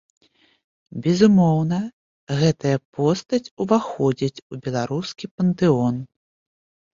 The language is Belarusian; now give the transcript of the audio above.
Безумоўна, гэтая постаць уваходзіць у беларускі пантэон.